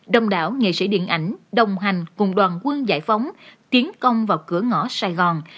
đồng đảo nghệ sĩ điện ảnh đồng hành cùng đoàn quân giải phóng tiến công vào cửa ngõ sài gòn